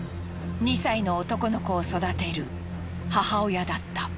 ２歳の男の子を育てる母親だった。